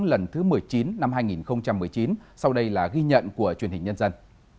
lần thứ một mươi chín năm hai nghìn một mươi chín sau đây là ghi nhận của truyền hình nhân dân